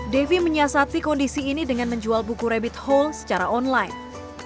devi menyiasati kondisi ini dengan menjual buku rabbit hall secara online